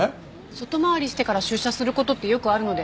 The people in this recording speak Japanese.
外回りしてから出社する事ってよくあるので。